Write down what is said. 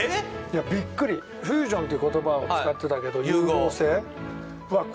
いやびっくり「フュージョン」って言葉を使ってたけど融合性融合